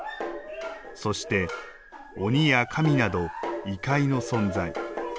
そして鬼や神など異界の存在。